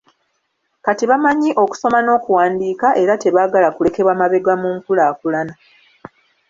Kati bamanyi okusoma n'okuwandiika era tebaagala kulekebwa mabega mu nkulaakulana.